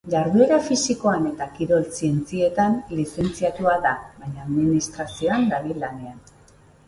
Jarduera fisikoan eta kirol zientzietan lizentziatua da baina administrazioan dabil lanean.